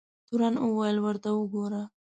تورن وویل ورته وګوره.